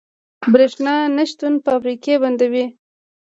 برښنا نشتون فابریکې بندوي.